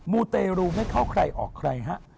มูเตรูไม่เข้าใครออกใครฮะ